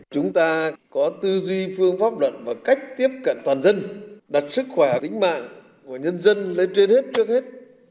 chúng ta có tư duy phương pháp luận và cách tiếp cận toàn dân đặt sức khỏe tính mạng của nhân dân lên trên hết trước hết